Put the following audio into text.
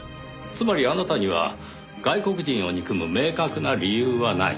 つまりあなたには外国人を憎む明確な理由はない。